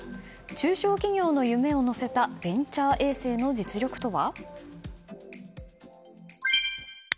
中小企業の夢を乗せたベンチャー衛星の実力とは？